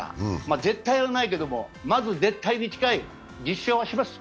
絶対はないけれども、まず絶対に近い１０勝はします。